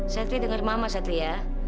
satria denger mama satria